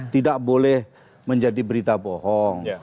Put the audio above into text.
tidak boleh menjadi berita bohong